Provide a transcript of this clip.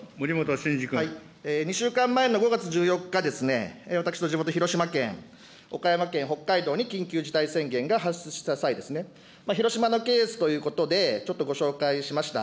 ２週間前の５月１４日、私の地元、広島県、岡山県、北海道に緊急事態宣言が発出した際、広島のケースということで、ちょっとご紹介しました。